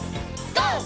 ＧＯ！